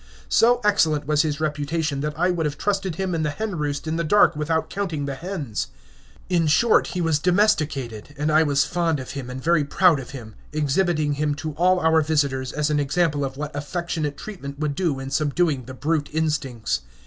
So excellent was his reputation that I would have trusted him in the hen roost in the dark without counting the hens. In short, he was domesticated, and I was fond of him and very proud of him, exhibiting him to all our visitors as an example of what affectionate treatment would do in subduing the brute instincts.